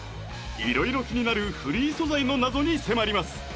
色々気になるフリー素材の謎に迫ります